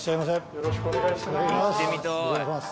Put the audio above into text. よろしくお願いします。